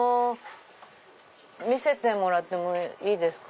⁉見せてもらってもいいですか？